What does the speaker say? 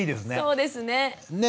そうですね。ね？